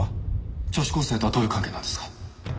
女子高生とはどういう関係なんですか？